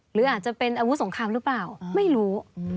หรืออาจจะเป็นอาวุธสงครามหรือเปล่าไม่รู้